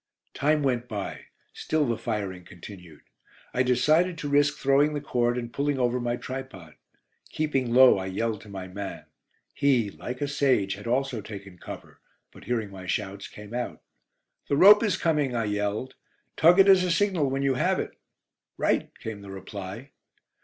Time went by. Still the firing continued. I decided to risk throwing the cord and pulling over my tripod. Keeping low, I yelled to my man: he, like a sage, had also taken cover, but hearing my shouts came out. "The rope is coming," I yelled. "Tug it as a signal, when you have it." "Right," came the reply.